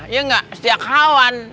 ya gak setiap kawan